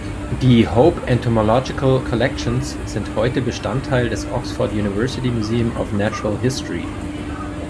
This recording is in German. Die „Hope Entomological Collections“ sind heute Bestandteil des Oxford University Museum of Natural History.